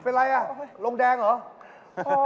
เป็นไงน่ะหลงแดงหรอ